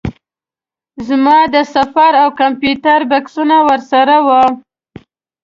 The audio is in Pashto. زما د سفر او کمپیوټر بکسونه ورسره وو.